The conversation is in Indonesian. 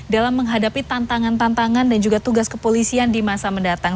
dalam menghadapi tantangan tantangan dan juga tugas kepolisian di masa mendatang